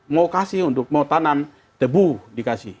mau kasih untuk mau tanam debu dikasih